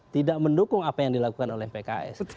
tidak mendukung apa yang dilakukan oleh pks